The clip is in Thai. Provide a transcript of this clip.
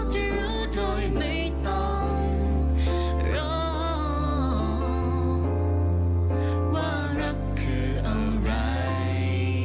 ที่รู้โดยไม่ต้องรอว่ารักคืออะไร